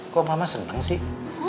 kok mama seneng sih